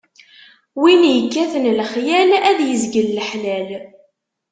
Win ikkaten lexyal, ad izgel leḥlal.